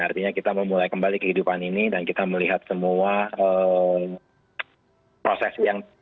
artinya kita memulai kembali kehidupan ini dan kita melihat semua proses yang